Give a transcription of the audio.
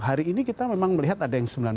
hari ini kita memang melihat ada yang sembilan puluh